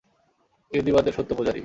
ইহুদীবাদের সত্য পূজারী।